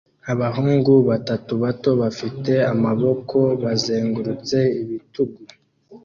Abahungu batatu bato bafite amaboko bazengurutse ibitugu